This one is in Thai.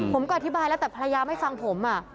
ผมก็อธิบายแล้วแต่ภรรยาไม่ฟังผม